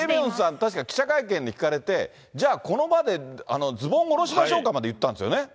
確か記者会見で聞かれて、じゃあこの場でズボン下ろしましょうかまで言ったんですよね。